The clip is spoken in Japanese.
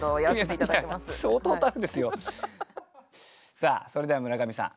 さあそれでは村上さん